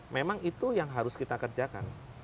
memang itu yang harus kita kerjakan